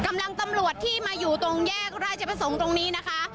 ตำรวจที่มาอยู่ตรงแยกราชประสงค์ตรงนี้นะคะ